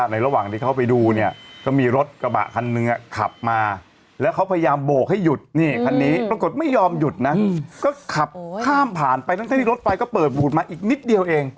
นี่คันนี้ปรากฏไม่ยอมหยุดนะก็ขับข้ามผ่านไปทั้งที่รถไฟก็เปิดบูรณ์มาอีกนิดเดียวเอง